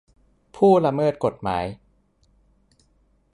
ผู้ละเมิดกฎหมาย